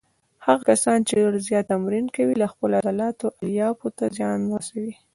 هغه کسان چې ډېر زیات تمرین کوي د خپلو عضلاتو الیافو ته زیان ورسوي.